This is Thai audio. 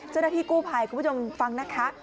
เจ้าหน้าที่กู้ภัยคุณผู้ชมฟังนะคะ